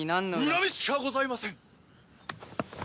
恨みしかございません！